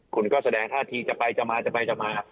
คุณก็แสดงท่าทีจะไปจะมาจะไปจะมา